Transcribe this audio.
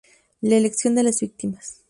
La elección de las víctimas.